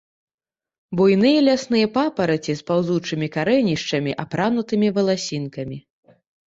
Буйныя лясныя папараці з паўзучымі карэнішчамі, апранутымі валасінкамі.